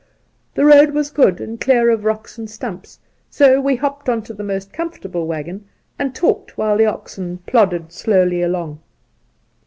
The road was good and clear of rocks and stumps, so we hopped onto the most comfortable waggon, and talked while the oxen plodded slowly along.